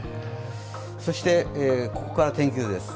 そして、ここから天気図です。